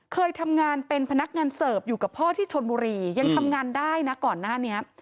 เคยทำงานเป็นพนักงานเสิร์ฟอยู่กับพ่อที่ชนบุรียังทำงานได้นะก่อนหน้านี้